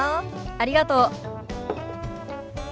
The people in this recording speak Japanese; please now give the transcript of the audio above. ありがとう。